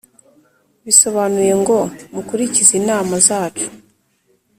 bisobanuye ngo: mukurikize inama zacu,